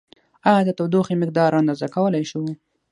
ایا د تودوخې مقدار اندازه کولای شو؟